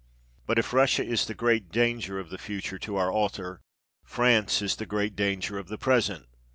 But if Russia is the great danger of the future to our author, France is the great danger of the present.